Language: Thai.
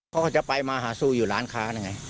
เขาก็จะไปมาหาสู้อยู่ร้านค้านั่นไง